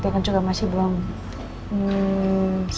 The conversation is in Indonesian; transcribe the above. dia kan juga masih belum